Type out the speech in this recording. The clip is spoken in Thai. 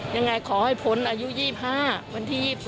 ยังไงขอให้พ้นอายุ๒๕วันที่๒๒